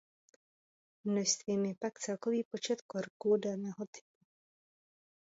Množstvím je pak celkový počet kroků daného typu.